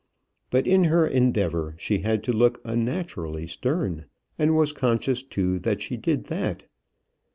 But in her endeavour she had to look unnaturally stern, and was conscious, too, that she did that.